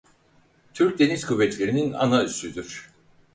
Türk Deniz Kuvvetleri'nin ana üssüdür.